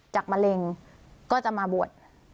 มะเร็งก็จะมาบวช